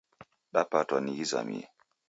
Dapatwa ni ghizamie.